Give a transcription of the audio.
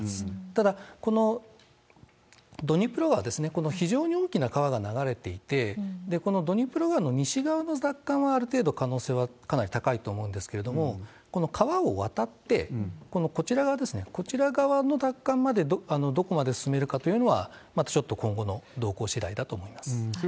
ただ、このドニプロ川ですね、非常に大きな川が流れていて、このドニプロ川の西側の奪還は、ある程度可能性はかなり高いと思うんですけれども、この川を渡って、このこちら側ですね、こちら側の奪還まで、どこまで進めるかというのは、まだちょっと今後の動向しだいだと思います。